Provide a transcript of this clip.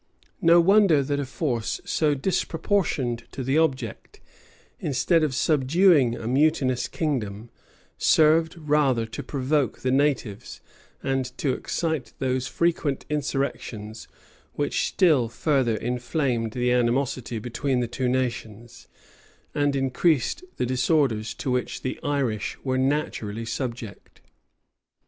[] No wonder that a force so disproportioned to the object, instead of subduing a mutinous kingdom, served rather to provoke the natives, and to excite those frequent insurrections, which still further inflamed the animosity between the two nations, and increased the disorders to which the Irish were naturally subject.